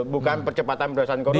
bukan percepatan pemeriksaan korupsi